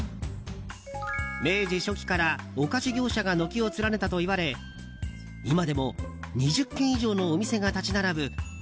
明治初期からお菓子業者が軒を連ねたといわれ今でも２０軒以上のお店が立ち並ぶ